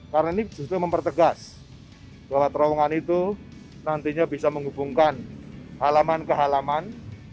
karena ini justru mempertegas bahwa terowongan itu nantinya bisa menghubungkan halaman ke halaman